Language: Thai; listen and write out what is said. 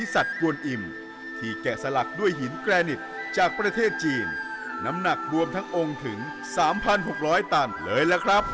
สวัสดีครับสวัสดีครับ